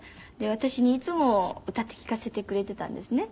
私にいつも歌って聞かせてくれていたんですね。